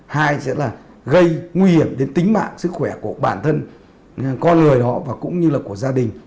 hai sẽ là gây nguy hiểm đến tính mạng sức khỏe của bản thân con người đó và cũng như là của gia đình